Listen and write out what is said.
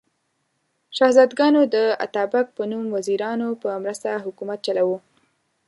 شهزادګانو د اتابک په نوم وزیرانو په مرسته حکومت چلاوه.